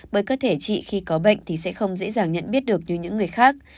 bởi cơ thể trị khi có bệnh thì sẽ không dễ dàng nhận biết được như những người khác